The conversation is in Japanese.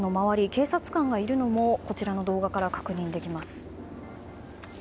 警察官がいるのもこちらの動画から確認できます。